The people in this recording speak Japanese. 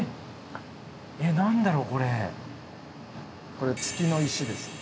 これ月の石です。